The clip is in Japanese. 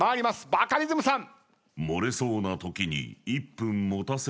バカリズムさん。